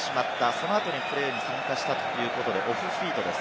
その後にプレーに参加したということで、オフフィートです。